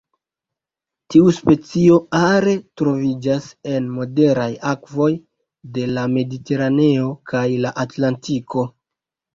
Tiu specio are troviĝas en moderaj akvoj de la Mediteraneo kaj la Atlantiko.